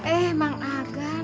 eh mak agam